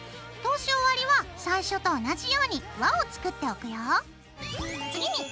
通し終わりは最初と同じように輪を作っておくよ。